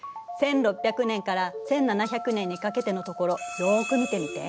１６００年から１７００年にかけてのところよく見てみて。